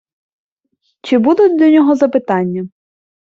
Чи будуть до нього запитання?